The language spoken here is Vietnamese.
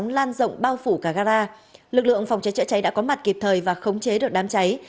lực lượng phòng chế chữa cháy đã có mặt kịp thời và khống chế được đám cháy